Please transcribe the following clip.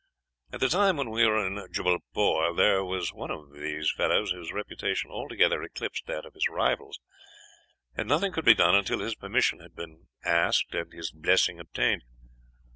"At the time when we were at Jubbalpore there was one of these fellows whose reputation altogether eclipsed that of his rivals, and nothing could be done until his permission had been asked and his blessing obtained.